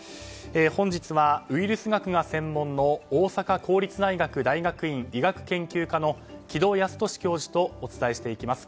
本日はウイルス学が専門の大阪公立大学大学院医学研究科の城戸康年教授とお伝えしていきます。